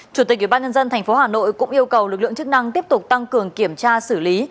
chủ tịch ubnd tp hà nội cũng yêu cầu lực lượng chức năng tiếp tục tăng cường kiểm tra xử lý